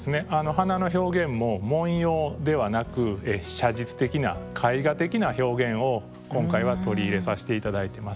花の表現も文様ではなく写実的な絵画的な表現を今回は取り入れさせて頂いてます。